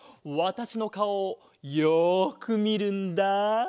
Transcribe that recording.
わたしのかおをよくみるんだ。